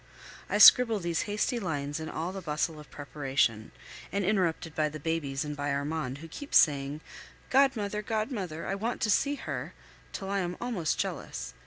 I scribble these hasty lines in all the bustle of preparation, and interrupted by the babies and by Armand, who keeps saying, "Godmother, godmother! I want to see her," till I am almost jealous.